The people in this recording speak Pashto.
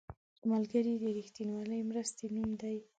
ملګری د رښتینې مرستې نوم دی